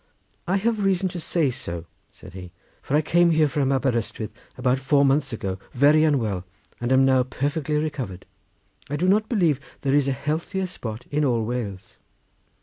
"I have reason to say so," said he; "for I came here from Aberystwyth about four months ago very unwell, and am now perfectly recovered. I do not believe there is a healthier spot in all Wales."